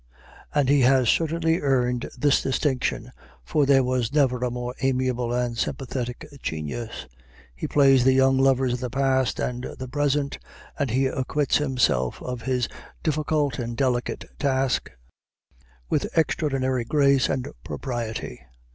And he has certainly earned this distinction, for there was never a more amiable and sympathetic genius. He plays the young lovers of the past and the present, and he acquits himself of his difficult and delicate task with extraordinary grace and propriety.